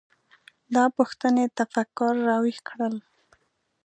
دا پوښتنې تفکر راویښ کړل.